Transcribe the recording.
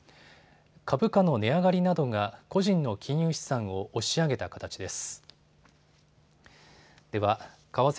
株価の値上がりなどが個人の金融資産を押し上げた形です。